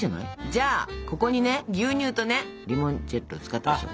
じゃあここにね牛乳とねリモンチェッロ使ったでしょ？